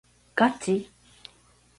ガチ？